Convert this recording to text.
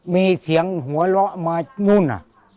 มีเสียงหัวเราะมานู่น